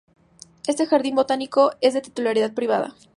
Este jardín botánico es de titularidad privada.